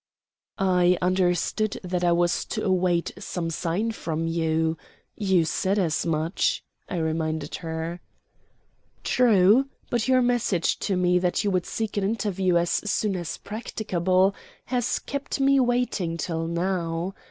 "I understood that I was to await some sign from you. You said as much," I reminded her. "True; but your message to me, that you would seek an interview as soon as practicable, has kept me waiting till now.